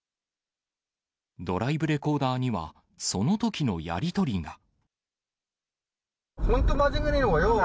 ドライブレコーダーには、そのときのやり取りが。